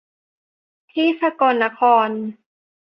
ที่สกลนคร